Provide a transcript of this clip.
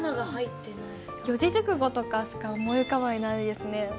四字熟語とかしか思い浮かばないですね。